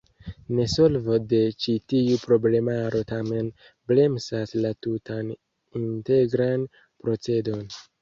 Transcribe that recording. Nesolvo de ĉi tiu problemaro tamen bremsas la tutan integran procedon.